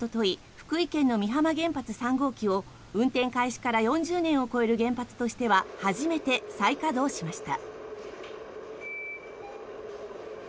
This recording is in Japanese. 福井県の美浜原発３号機を運転開始から４０年を超える原発としては初めて再稼働しました。